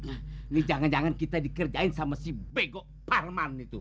ini jangan jangan kita dikerjain sama si bego parman itu